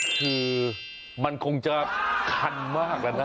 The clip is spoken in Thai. คือมันคงจะคันมากแล้วนะ